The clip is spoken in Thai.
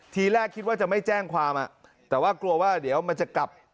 ทีแรกคิดว่าจะไม่แจ้งความแต่ว่ากลัวว่าเดี๋ยวมันจะกลับ